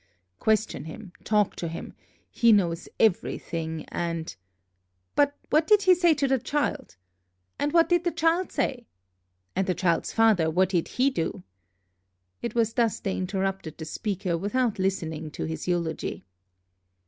question him, talk to him, he knows everything, and " "But what did he say to the child?" "And what did the child say?" "And the child's father, what did he do?" It was thus they interrupted the speaker, without listening to his eulogy.